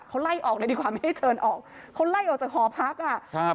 เขาไล่ออกเลยดีกว่าไม่ได้เชิญออกเขาไล่ออกจากหอพักอ่ะครับ